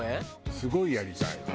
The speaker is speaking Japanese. すごいやりたいの。